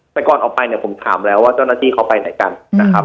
แต่ก่อนออกไปเนี่ยผมถามแล้วว่าเจ้าหน้าที่เขาไปไหนกันนะครับ